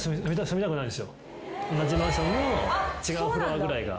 同じマンションの違うフロアぐらいがいいです。